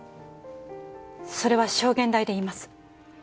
それは証言台で言います。